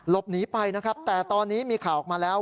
หลบหนีไปนะครับแต่ตอนนี้มีข่าวออกมาแล้ว